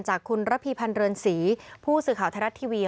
จากคุณระพีพันธ์เรือนศรีผู้สื่อข่าวไทยรัฐทีวี